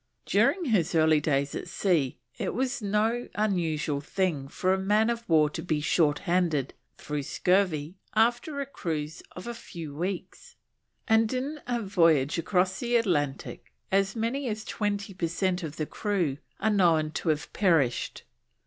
During his early days at sea it was no unusual thing for a man of war to be short handed through scurvy after a cruise of a few weeks, and in a voyage across the Atlantic as many as twenty per cent of the crew are known to have perished.